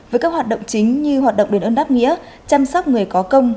với các hoạt động chính như hoạt động đền ơn đáp nghĩa chăm sóc người có công